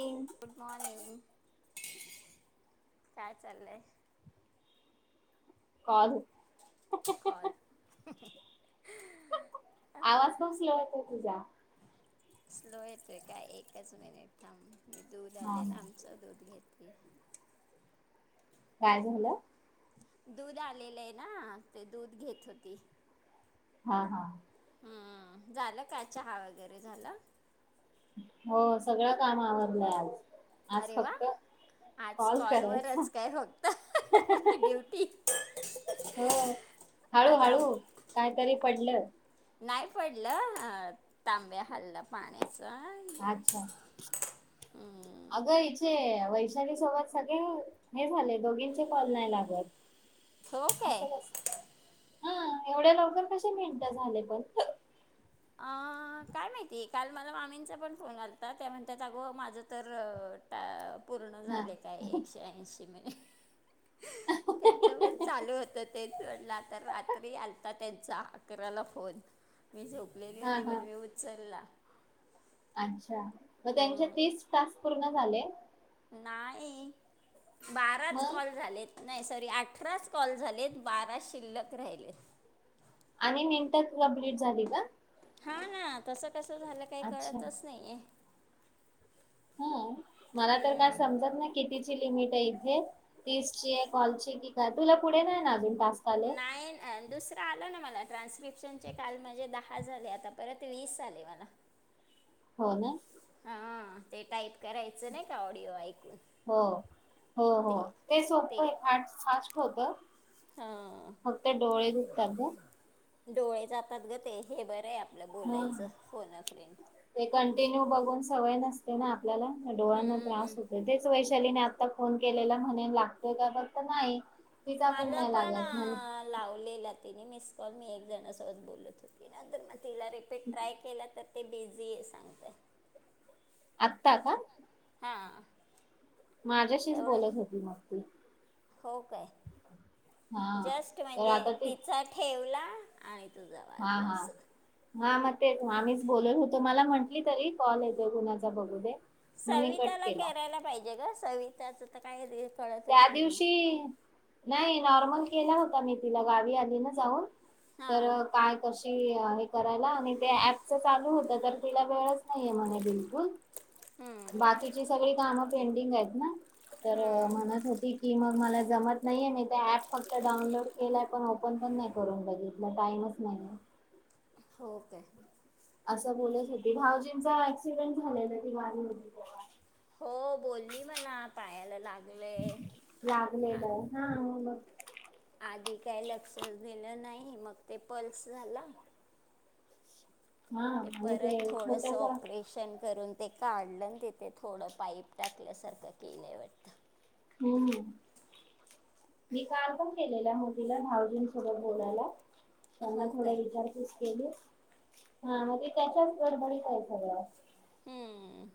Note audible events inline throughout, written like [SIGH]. Call good morning, काय चालय? का दु. [UNINTELLIGIBLE] कॉल. आवाज बसलाय वाटतं तुझा? स्लो येतेय का? एकच मिनिट थांब. दूध हा आलय ना हा आमचं दूध घेते. ते. [UNINTELLIGIBLE] काय झालं.? दूध आलेलंय ना ते दूध घेत होती. हा. हा. हम्म झालं काय चहा वगैरे झालं.? हो सगळं काम आवरलय आज-आज अरे वा फक्त. आज कॉल करायचा. कॉलवररच काय फक्त. ड्युटी. आज हळू-हळू आम कायतरी पडलं. नाही पडलं तांब्या हाल्लं पाण्याचा. अच्छा. हम्म. अगं इचे वैशाली सोबत सगळे हे झाले. दोघींचे कॉल नाही लागत. हो असं काय. कसं? हा एवढ्या लवकर कसे मिनिट झाले पण. अ काय माहिती काल मला मामींचा पण फोन आलता. त्या म्हणतात अगं माझं तर टा पूर्ण हा झाले काय. एकशे ऐंशी मिनीट. त्यांच्यावर चालू होत. ते जोडला तर रात्री आलता त्याचा. अकराला फोन मी झोपलेली हा होती. हा पण मी उचलला. अच्छा मग त्यांच्या हम्म, तीस-टास्क पूर्ण झाले. नाही बाराच मग कॉल झालेत. नाही सॉरी अठराच कॉल झालेत. बारा शिल्लक राहिले. आणि मिंट कंप्लीट झाली का? हा. हा तसं कस झालं. काही अच्छा कळतच नाहीय. हा मला तर काय हम्म, समजत नाही कितीची लिमिट आहे ते. तीसची कॉलची की काय तुला पुढे नाही ना अजून. टास्क आले नाही दुसर आल ना मला ट्रान्स्क्रिप्शन काल माझे दहा हा झाले. आता परत वीस आले मला. हो ना. हा ते टाईप करायचं नाही का ऑडिओ ऐकुण. हो. हो. हो. ते सोपं हाय फास्ट होत. हां फक्त डोळे दुखतात ग. डोळे जातात ग. ते हे बर हाय आपल. हा ते कंटिन्यू बघून सवय नसते ना.? आपल्याला डोळ्यांना त्रास हम्म. होतो तेच वैशालीने आता फोन केलेला म्हणे लागतोय का बघ. तर नाही. तिचा मला नाही पण लागत म्हणे लावलेला तिने मिस कॉल मी एकजणसोबत बोलत होते ना, नंतर मग तिला रिपीट ट्राय केला तर. ते बिझी आहे सांगतय.? आता का.? हा. माझ्याशीच बोलत होती मग ती. हो काय हा जस्ट तर म्हणजे आता ती तिचा ठेवला. आणि तुझा हा. वाजला हा. असं हा मग तेच. आम्हीच बोलत होतो. मला म्हटली तरी कॉल येतो कुणाचा बघू दे. मग मी कट सविताला केला करायला पाहिजे ग. सविताचं तर काय रे. कळतच त्या नाही आहे दिवशी नाही नॉर्मल केला होता मी तिला. गावी आली ना जाऊन. हां तर काय करशी करायला, आणि ते ऍपच चालू होत. तर तिला वेळच नाहीे म्हणे बिलकुल. बाकीची सगळी कामं पेंडिंग आहेत ना. तर म्हणत होती की मला जमत नाही. मी तो ऍप फक्त डाउनलोड केला. ओपन पण नाही करून बघितला टाइमच नाही. हो काय. असं बोलत होती. भाऊजींचा ऍक्सिडेंट झाला ना. दिवाळी मध्ये कवा. हो बोलली मला पायाला लागल. लागलय पायाला हा मग. आधी काही लक्ष दिेलं नाही. मग ते पल्स झाला. हा ते आणि परत थोडस छोटासा ऑपरेशन करून. ते काढलं तिथे थोडं पाईप टाकल्यासारखं केलंय वाटत. हम. मी काल पण केलेल्या मोदीला भाऊजींसोबत बोलायला. त्यांना हो थोड काय रचार्जस केले हा. मग ते त्याच्याच गडबडीत आहे सगळं. हम्म.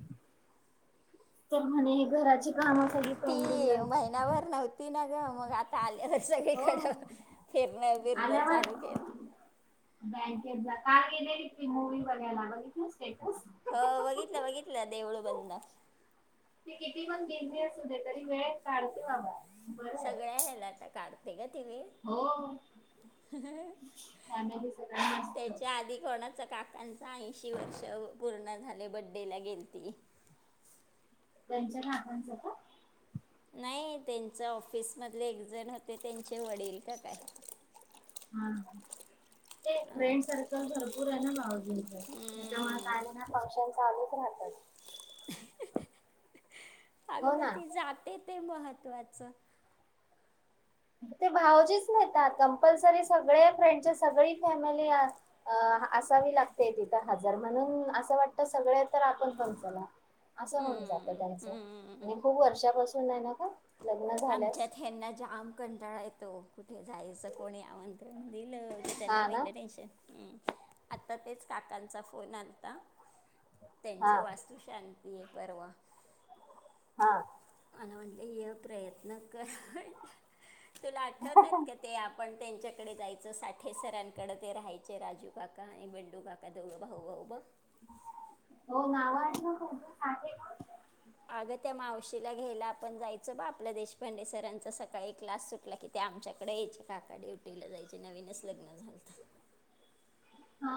तर म्हणे घराची कामं सळी ती पेंडिंग आहेत. महिनाभर नव्हती ना मग आता आली हो सगळीकड फिरणं-बीरण आल्यावर चालूच आहे. बँकेत काल गेलेली ती मूवी बघायला. बघितली स्टेटस. ह बघितलं-बघितलं देऊळं बंद. किती ती पण बिझनेस कुठे तरी काढत आहे बाबा. बरं आहे सगळ्या ह्याला आता कार्तिक गत. हो फॅमिली सगळं मस्त त्याच्या आधी कोणाचा काकांच ऐंशी वर्ष पूर्ण झाले बड्डे ला गेलते. त्यांच्या काकांचं का. नाही त्यांच्या ऑफिस मधले. एक जण होते त्यांच. गेल काय. हम. ते अं, फ्रेंड सर्कल भरपूर आहे ना. भाऊजी त्याच्यामुळे हम्म. का ना फंक्शन चालूच. राहतात. अग हो मग ना ती जाते ते महन. महत्वाचं. ते भावजिच नेतात. कंपल्सरी सगळे फ्रेंड सगळी फॅमिली अ. आ असता असावी लागते. तिथं हजार म्हणून असं वाटत सगळे तर आपण पण चला. असं होऊन जात हम्म, त्यांचं. आणि हम्म. खूप वर्षापासून आहे ना का. लग्न आमच्यात झाल्यास हेना जाम कंटाळा येतो. कुठे जायच कोणी आमंत्रण दिल की. कुठे जायचं हा ना पहिला टेन्शन. आता तेच काकांचा फोन आलता. हा त्यांचे वास्तू शांती हाय परवा. हा. मला म्हटलं ये प्रयत्न कर म्हटल. तुला आठवतात का ते आपण. त्यांच्याकडे जायचं. साठेसरांकडें ते राहायचे. राजू काका आणि बंडू काका जवळं भाऊ-भाऊ. [INAUDIBLE] हो नाव ना [UNINTELLIGIBLE] अगं त्या मावशीला घ्यायला आपण जायचो बा. आपल्या देशपांडे सरांचा सकाळी एक क्लास सुटला की. त्या आमच्या यायचे काका ड्युटीला जायचे नवीनच लग्न झालत. हा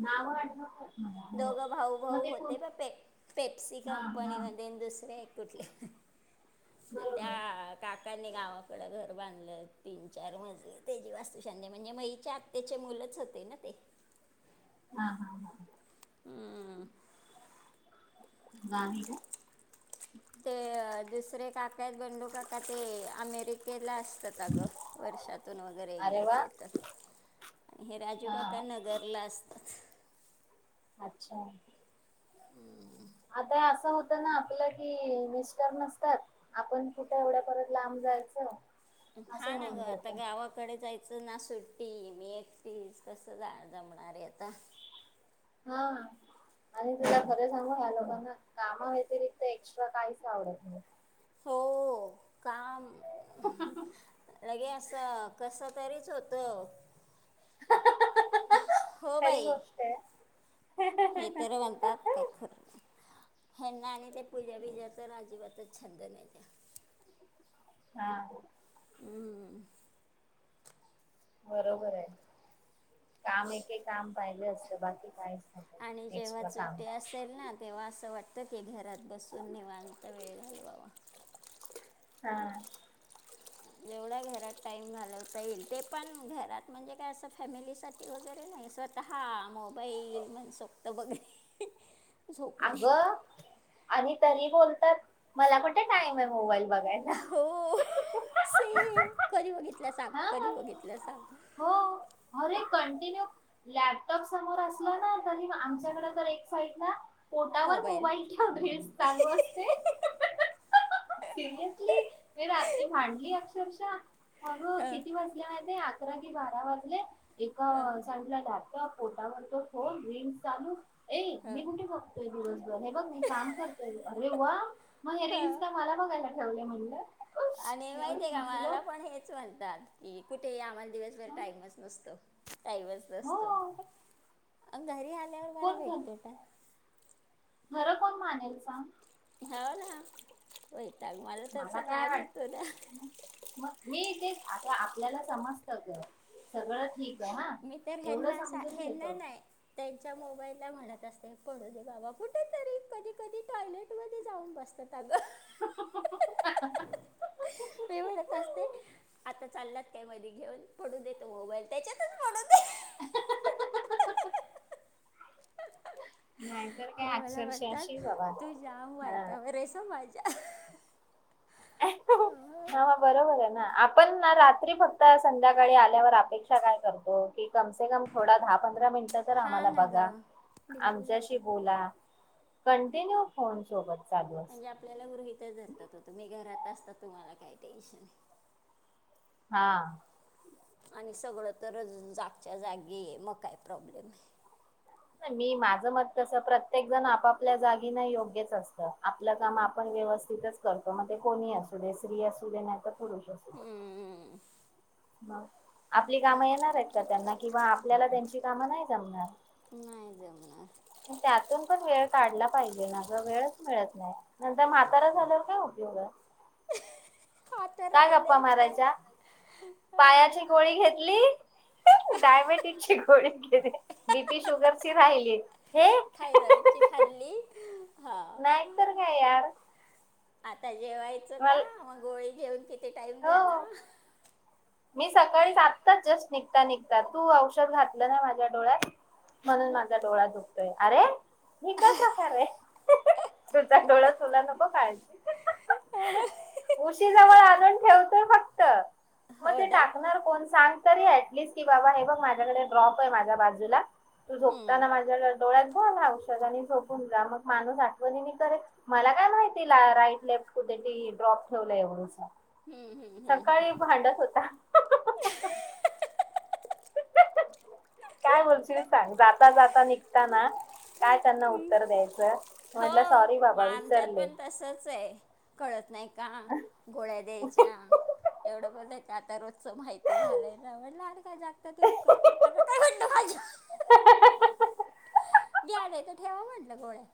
नाव आठवत नाहीत. दोघं भाऊ-भाऊ होते ना ते पेप्सी हा कंपनी हा मध्ये दुसरे कुठ [UNINTELLIGIBLE] बरोबर त्या काका. गावाकड घर बांधलं. तीन चार मजले त्याची वास्तुशांती म्हणजे म हेच्या आत्याची मुलंच. होते ना ते. हा. हा. ह. हम्म. गाणी ला. ते दुसरे काका आहेत. गडू काका ते अमेरिकेत. ला असतात अगं वर्षातून वगैरे अरे वा एकदाच येतात. आणि हे राजू हा काका नगरला असतात. अच्छा. आता असं होत ना आपलं कि. मिस्टर नसतात आपण कुठे एवढ्या परत लांब. जायच. हा ना ग आता गावाकडे जायच. तेना सुट्टी. मी एकटी. कस जा जमणार आहे आता. हा. आणि तुला खरं सांगू ह्या लोकांना कामाव्यतिरिक्त एक्स्ट्रा काहीच आवडत नाही. हो काम लगे असं कस. तरीच होत. हो खरी बाई गोष्ट आहे हे तर म्हणतात काय खर हेना आणि त्या पूजाबिजा तर अजिबातच छंद नाही त्या हा. बरोबर आहे काम एके काम पाहिले असत बाकी काय आणि जेव्हा चुट्टी असेल ना तेव्हा असं वाटत त ते घरात बसून निवांत वेळ घालवावा. हा. जव भा घरात टाईम घालवता येईल ते पण घरात म्हणजे काय अस फॅमिलीसाठी वगैरे नाही स्वतः हा मोबाईल म्हणसोक्त बघणे. अग झोपणे आणि तरी बोलतात मला कठे टाइम ये मोबाईल बघायला हो ही ही. सेम कधी बघितलं सांग हा कधी बघितलं सांग हो अरे कंटिन्यू लॅपटॉप समोर असला ना तरी आमच्याकडे तर एक साइडला पोटावर मोबाईल ठेवून रिल्स चालू असते. सिरियसली मी रात्री भांडली अ क्षरशा अगं हं. किती वाजल्या माहिते अकरा कि बारा वाजले हं, एका सायीडला लॅपटॉप पोटावर तो फोन रिल्स चालू ए मी हं, कुणठे बघ तोय दिवसभर हे बघ मी काम करते अरे वा मग हे रिल्स हं. मला बघायला ठेवले म्हटलं. आणि माहित आहे का मला पण हेच म्हणतात. कि कुठे आम्हाला दिवसभर टाईमच नसतो, टाईमच हो नसतो. अ घरी आल्यावर कोण बरा खर भेटतो टा खरं कोण मानेल सांग. हो ना होय. मला काय वाटत मग मी तेच आता आपल्याला समज त ग सगळं ठीक आहे हा मी तर एवढं हेना समजून हेन्ना घेतो नाही त्यांच्या मो बाईला म्हणत असते पडू दे बाबा कुठेतरी कधी कधी टॉयलेट मधे जाऊन बसतात. अग हिहि मी म्हणत असते आता चाललात काय मध्ये घेऊन पडून देतो मोबाईल त्याच्या. नाहीय तर हे काय मला अक्षरशां शी म्हणतात बाबा तू जाम वाईटावर आहेस हं माझ्या ह बरोबर आहे ना आपण ना रा त्री फक्त संध्याकाळी आल्यावर अपेक्षा काय करतो की कमसे कम थोडा दहा पंधरा मिनि टं तर हा आम्हाला ना बघा गं बिलकुल आमच्याशी असंच बोला कंटिन्यू फोन सोबत. चालू असतो म्हणजे आपल्याला गृहितच धरतात आता मी घरात नसतं तुम्हाला काही टेन्शन हा. आणि सगळं तर जागच्या जागी मग काय प्रॉब्लेम आहे. नाही मी माझ मत कस प्रत्येक जण आपापल्या जागी ना योग्यच असतं आपलं काम आपण व्यवस्थित करतो मग ते कोणी असू दे स्त्री असू दे नाही तर पुरुष असू दे. हम्म, आपली कामं येणार आहेत का त्यांना किंवा आपल्याला त्यांची कामं नाही जमणार. नाही जमणार त्यातून पण वेळ काढला पाहिजे ना ग वेळच मिळत नाही नंतर म्हातारा झाल्यावर काय उपयोग. आता काय गप्पा राहिलंयच काय? मारायच्या पायाची हा, गोळी घेतली. डायबेटीजची गोडी घे बीपी शुगरची राहिली. थायरॉइडची खाल्ली. हा नाही तर काय यार. आता जेवायचं का मला मग गोळी घेऊन किती टाइम झाला. हो मी सकाळी आत्ताच जस्ट निघता निघता तू औषध घातलं ना माझ्या डोळ्यात म्हणून माझा डोळा दुखतोय अरे हे काय प्रकार आहे. तुझ डोळा तुला नको काळजी. उशी जवळ आणून ठेवतोय फक्त. हो ते टाकणार कोण सांग तरी ऍटलिस्ट की बाबा हे बघ माझ्याकडे ड्रॉप आहे माझ्या बाजूला तू हम्म, झोपताना माझ्या डोळ्यात घाल औषध आणि झोपून जा मग माणूस आठवणी करे, मला काय माहिती राईट लेफ्ट कुठ ड्रॉप ठेवलं एवढच. हम्म, हम्म, हम्म, हम्म. सकाळी भांडत होता. [INAUDIBLE] काय बोलशील सांग जाता जाता निघता ना. काय त्यांना उत्तर द्यायचं म्हटलं हो सॉरी मग बाबा वि आमच्यात पण तसच आहे कळत नाही का गोळ्या द्यायच्या. एवढं बलाय आता रोजच माहिती झालंय ना म्हटलं अरे काय जागतात ते उपकार करता का काय म्हणल [UNINTELLIGIBLE] ग्या आलय ते ठेवा म्हटलं गोळ्या.